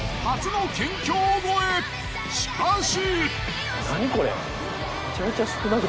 しかし。